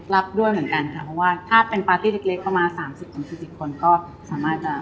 รับด้วยเหมือนกันค่ะเพราะว่าถ้าเป็นปาร์ตี้เล็กประมาณ๓๐๔๐คนก็สามารถจะ